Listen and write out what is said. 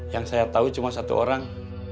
yang saya tahu cuma satu orang